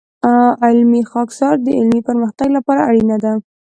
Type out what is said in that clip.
علمي خاکساري د علمي پرمختګ لپاره اړینه ده.